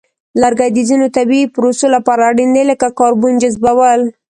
لرګي د ځینو طبیعی پروسو لپاره اړین دي، لکه کاربن جذبول.